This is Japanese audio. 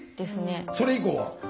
それ以降は？